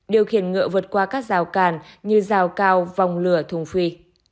điều khiển ngựa vượt qua các rào càn như rào cao vòng lửa thùng phi